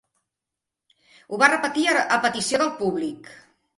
Ho va repetir a petició del públic.